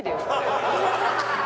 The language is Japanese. ハハハハ！